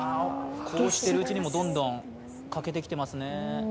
こうしているうちにも、どんどん欠けてきてますね。